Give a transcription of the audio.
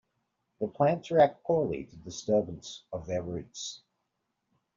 The plants react poorly to disturbance of their roots.